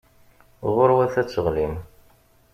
Ɣur-wat ad teɣlim.